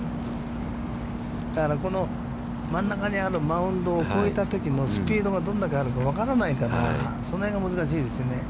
だからこの真ん中にあるマウンドを越えたときのスピードがどれだけあるか分からないから、その辺が難しいですね。